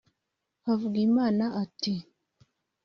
Havugimana ati